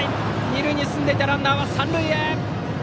二塁に進んでいたランナーは三塁へ。